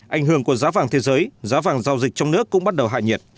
ảnh hưởng của giá vàng thế giới giá vàng giao dịch trong nước cũng bắt đầu hạ nhiệt